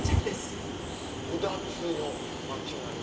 「うだつの町並み」。